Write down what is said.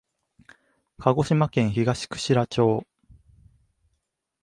鹿児島県東串良町